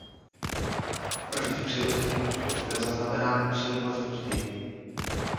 První přirozený odchov byl zaznamenán o sedm let později.